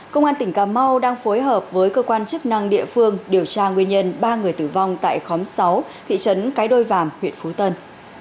công an tỉnh cà mau đang phối hợp với cơ quan chức năng địa phương điều tra nguyên nhân ba người tử vong tại khóm sáu thị trấn cái đôi vàm huyện phú tân